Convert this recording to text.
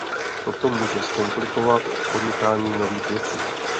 Toto může zkomplikovat podnikání nových věcí.